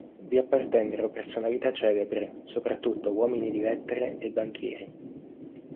Vi appartennero personalità celebri, soprattutto uomini di lettere e banchieri.